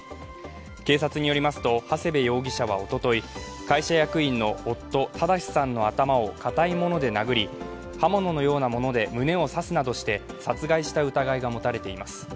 警察によりますと、長谷部容疑者はおととい、会社役員の夫、正さんの頭を硬いもので殴り、刃物のようなもので胸を刺すなどして殺害した疑いが持たれています。